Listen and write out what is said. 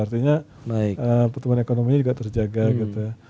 artinya pertumbuhan ekonomi juga terjaga gitu